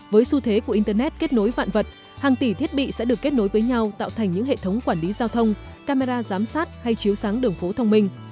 với xu thế của internet kết nối vạn vật hàng tỷ thiết bị sẽ được kết nối với nhau tạo thành những hệ thống quản lý giao thông camera giám sát hay chiếu sáng đường phố thông minh